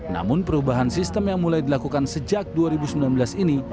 namun perubahan sistem yang mulai dilakukan sejak dua ribu sembilan belas ini